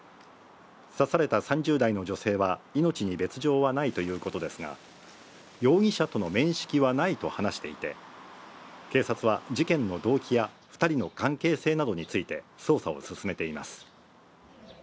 刺された３０代の女性は命に別状はないということですが、容疑者との面識はないと話していて、警察は事件の動機や２人の関係性などについて捜査を進めています。